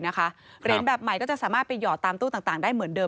เหรียญแบบใหม่ก็จะสามารถไปหอดตามตู้ต่างได้เหมือนเดิ